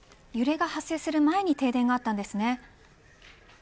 揺れが起こる前に停電があったんですね。